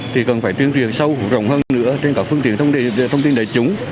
thì cần phải tuyên truyền sâu rộng hơn nữa trên các phương tiện thông tin đại chúng